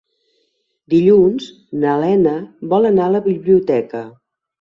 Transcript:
Dilluns na Lena vol anar a la biblioteca.